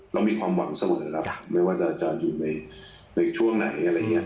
เรามีความหวังเสมอแล้วไม่ว่าจะอยู่ในช่วงไหนอะไรอย่างนี้